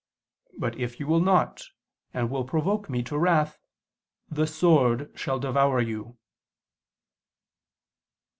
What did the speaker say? But if you will not, and will provoke Me to wrath: the sword shall devour you."